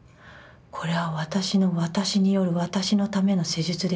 これは私の私による私のための施術でしかない」。